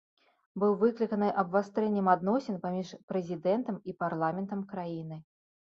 Быў выкліканы абвастрэннем адносін паміж прэзідэнтам і парламентам краіны.